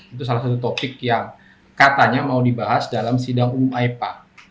itu salah satu topik yang katanya mau dibahas dalam sidang umum aepa